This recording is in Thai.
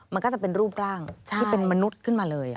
มันก็จะเป็นรูปร่างที่เป็นมนุษย์ขึ้นมาเลย